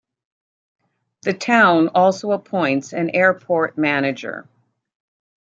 The town also appoints an Airport Manager.